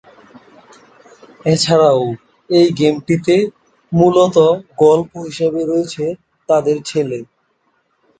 এছাড়াও এই গেমটিতে মূল গল্প হিসেবে রয়েছে তাদের ছেলে।